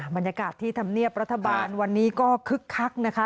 บรรยากาศที่ธรรมเนียบรัฐบาลวันนี้ก็คึกคักนะคะ